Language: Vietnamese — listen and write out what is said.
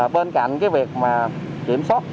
bên cạnh cái việc mà kiểm soát